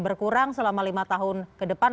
berkurang selama lima tahun ke depan